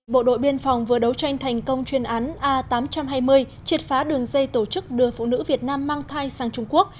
bộ đội biên phòng vừa đấu tranh thành công chuyên án a tám trăm hai mươi triệt phá đường dây tổ chức đưa phụ nữ việt nam mang thai sang trung quốc